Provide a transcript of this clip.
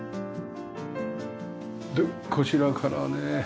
でこちらからね